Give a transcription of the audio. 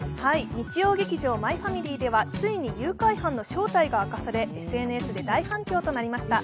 日曜劇場「マイファミリー」ではついに誘拐犯の正体が明かされＳＮＳで大反響となりました。